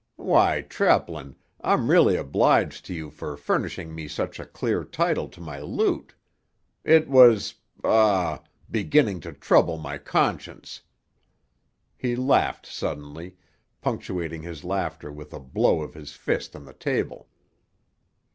Why, Treplin, I'm really obliged to you for furnishing me such a clear title to my loot. It was—ah—beginning to trouble my conscience." He laughed suddenly, punctuating his laughter with a blow of his fist on the table.